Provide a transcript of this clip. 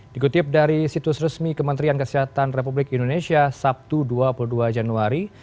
dikutip dari situs resmi kementerian kesehatan republik indonesia sabtu dua puluh dua januari